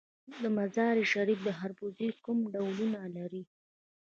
د مزار شریف خربوزې کوم ډولونه لري؟